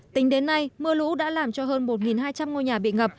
tính đến nay mưa lũ đã làm cho hơn một hai trăm linh ngôi nhà bị ngập